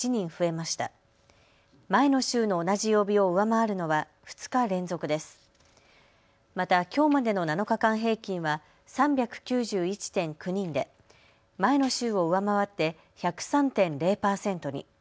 また、きょうまでの７日間平均は３９１．９人で前の週を上回って１０３．０％に。